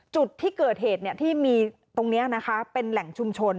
จุดที่เกิดเหตุที่มีตรงนี้นะคะเป็นแหล่งชุมชน